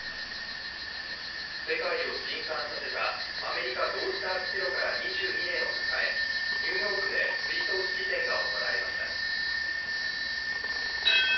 世界を震撼させたアメリカ同時多発テロから２２年を迎えニューヨークで追悼式典が行われました。